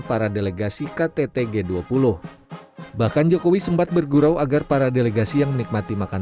para delegasi ktt g dua puluh bahkan jokowi sempat bergurau agar para delegasi yang menikmati makan